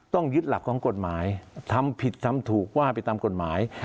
ต้องยึดหลักของกฎหมายทำผิดทำถูกว่าไปตามกฎหมาย